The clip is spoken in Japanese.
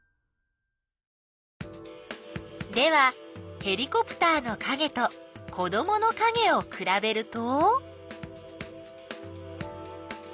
ではヘリコプターのかげと子どものかげをくらべると？